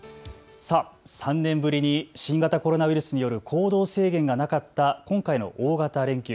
３年ぶりに新型コロナウイルスによる行動制限がなかった今回の大型連休。